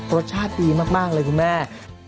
รสชาติดีมากเลยคุณแม่